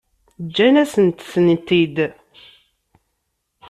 Ǧǧan-asent-tent-id.